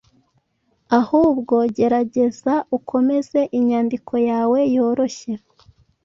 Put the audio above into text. Ahubwo, gerageza ukomeze inyandiko yawe yorohye